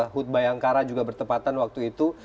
hut bayangkara juga bertepatan waktu itu